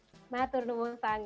selamat malam terima kasih mbak fadis